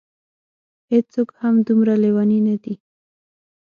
هېڅوک هم دومره لېوني نه دي.